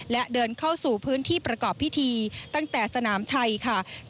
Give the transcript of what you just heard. และเดินเข้าสู่พื้นที่ประกอบพิธีตั้งแต่สนามชัยค่ะ